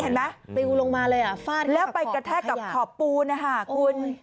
เห็นไหมปลิวลงมาเลยอ่ะฟาดแล้วไปกระแทกกับขอบปูนนะคะคุณ